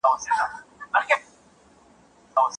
ورزش د ځوانانو لپاره د سالم مصروفیت لاره ده.